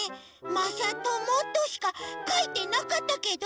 まさとも」としかかいてなかったけど？